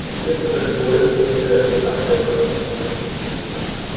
Es wird von der katholischen Kirche als das achte ökumenische Konzil gezählt.